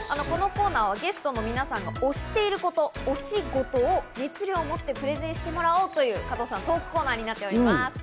このコーナーはゲストの皆さんが推していること、つまり推しゴトを熱量を持ってプレゼンしてもらおうというトークコーナーになっております。